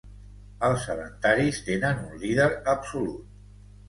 Els sedentaris tenen un líder absolut.